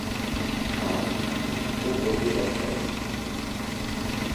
Ah ! mon pauvre vieux Balthazar !